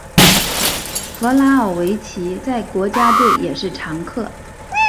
弗拉奥维奇在国家队也是常客。